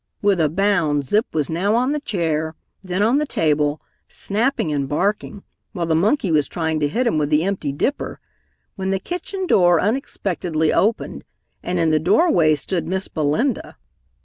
With a bound Zip was now on the chair, then on the table, snapping and barking, while the monkey was trying to hit him with the empty dipper, when the kitchen door unexpectedly opened and in the doorway stood Miss Belinda.